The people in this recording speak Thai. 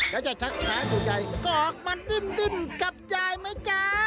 แล้วจะชักช้ายตัวใหญ่ก็ออกมาดึ้นดึ้นกับใจไหมจ้า